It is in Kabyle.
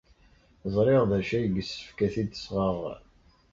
Ẓriɣ d acu ay yessefk ad t-id-sɣeɣ.